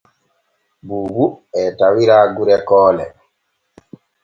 Buubu e tawira gure Koole.